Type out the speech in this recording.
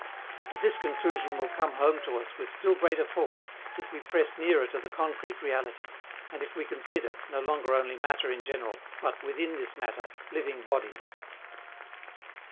But this conclusion will come home to us with still greater force if we press nearer to the concrete reality, and if we consider, no longer only matter in general, but, within this matter, living bodies.